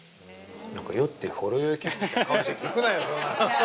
◆酔って、ほろ酔い気分みたいな顔して聞くなよ、そんな。